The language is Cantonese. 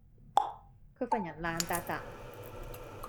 佢份人爛笪笪